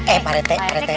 eh pak irte pak irte